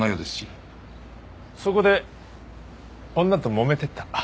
そこで女ともめてた。